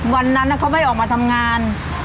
วันนั้นเขาไม่ออกมาทำงาน